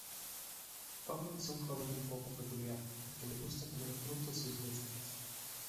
Pablo es un joven un poco peculiar al que le gusta comer frutos silvestres.